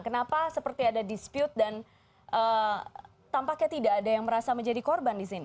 kenapa seperti ada dispute dan tampaknya tidak ada yang merasa menjadi korban di sini